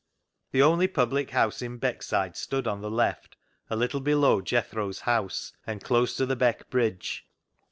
The only public house in Beckside stood on the left, a little below Jethro's house and close to the Beck bridge.